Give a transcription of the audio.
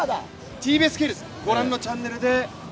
ＴＢＳ系列、ご覧のチャンネルで。